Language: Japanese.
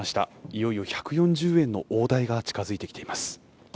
いよいよ１４０円の大台が近づいています。